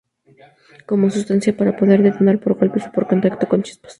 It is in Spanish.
Como sustancia pura puede detonar por golpes o por contacto con chispas.